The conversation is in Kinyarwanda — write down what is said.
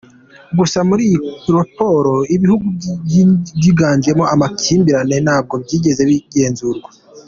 Gusa muri iyi raporo, ibihugu byiganjemo amakimbirane ntabwo byigeze bigenzurwa.